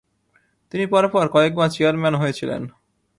তিনি পরপর কয়েকবার চেয়ারম্যান হয়েছিলেন।